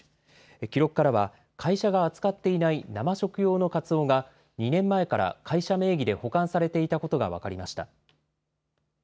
記録からは、会社が扱っていない生食用のカツオが、２年前から会社名義で保管されていたことが分かりました。